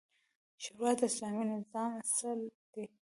شورا د اسلامي نظام اصل دی